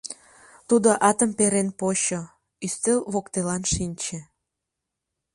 — Тудо атым перен почо, ӱстел воктелан шинче.